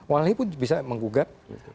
walhi riau pun bisa menggugat